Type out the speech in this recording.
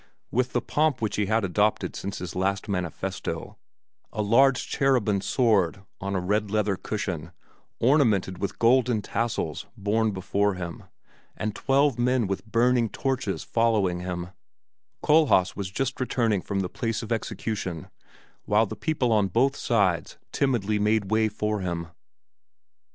With the pomp which he had adopted since his last manifesto a large cherubim's sword on a red leather cushion, ornamented with golden tassels, borne before him, and twelve men with burning torches following him Kohlhaas was just returning from the place of execution, while the people on both sides timidly made way for him.